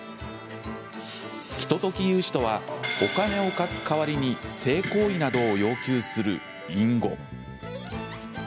ひととき融資とはお金を貸す代わりに性行為などを要求する隠語。